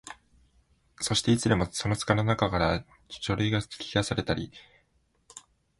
そして、いつでもその束のなかから書類が引き出されたり、またそれにさしこまれたりされ、しかもすべて大変な速さでやられるので、